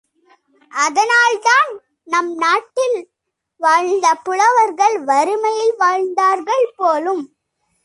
அதனால்தான் நம் நாட்டில் வாழ்ந்த புலவர்கள் வறுமையில் வாழ்ந்தார்கள் போலும்!